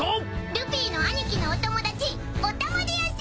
ルフィの兄貴のお友達お玉でやんす！